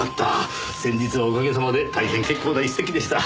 先日はおかげさまで大変結構な一席でした。